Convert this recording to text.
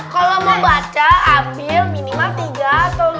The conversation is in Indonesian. kalo mau baca ambil minimal tiga atau dua